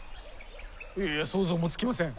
いやいや想像もつきません。